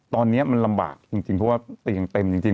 ตอนนี้มันลำบากจริงเพราะว่าเตียงเต็มจริง